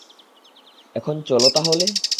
এখন চলো তাহলে?